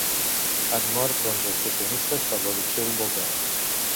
Han mort onze excursionistes per l'erupció d'un volcà